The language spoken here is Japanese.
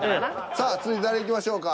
さあ続いて誰いきましょうか。